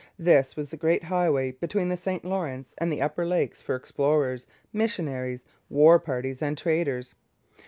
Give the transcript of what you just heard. This was the great highway between the St Lawrence and the Upper Lakes for explorers, missionaries, war parties, and traders.